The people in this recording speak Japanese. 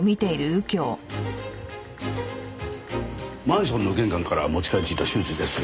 マンションの玄関から持ち帰りしたシューズです。